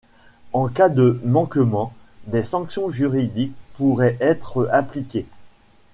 En cas de manquement, des sanctions juridiques pourraient être appliquées.